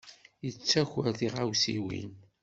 Yettaker tiɣawsiwin.